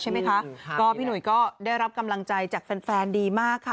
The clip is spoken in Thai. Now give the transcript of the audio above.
ใช่ไหมคะก็พี่หนุ่ยก็ได้รับกำลังใจจากแฟนแฟนดีมากค่ะ